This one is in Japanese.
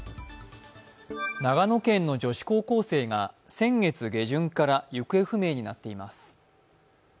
長野県の女子高校生が先月下旬から行方不明になっています。